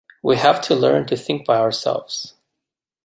We have to learn to think by ourselves.